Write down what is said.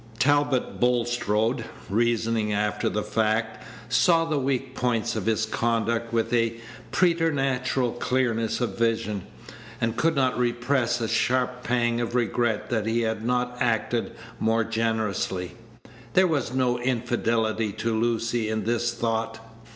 Talbot Bulstrode, reasoning after the fact, saw the weak points of his conduct with a preternatural clearness of vision, and could not repress a sharp pang of regret that he had not acted more generously. There was no infidelity to Lucy in this thought.